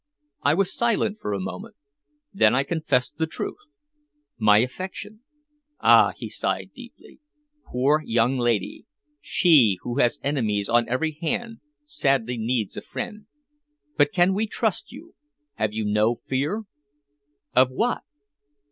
I was silent for a moment. Then I confessed the truth. "My affection." "Ah!" he sighed deeply. "Poor young lady! She, who has enemies on every hand, sadly needs a friend. But can we trust you have you no fear?" "Of what?"